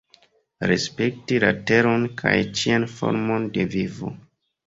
Respekti la Teron kaj ĉian formon de vivo.